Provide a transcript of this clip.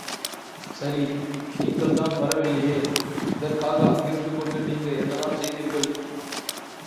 சரி நீங்கள்தான் வரவில்லையே, இதற்காக அங்கிருந்துகொண்டு நீங்க என்னதான் செய்தீர்கள்?